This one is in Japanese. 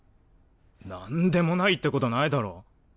なんでもないってことないだろ。